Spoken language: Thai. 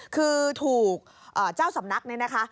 คือถูกเจ้าสำนักเนี่ยนะคะ